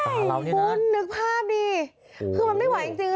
ตาเราเนี่ยนะคุณนึกภาพดิคุณมันไม่ไหวจริง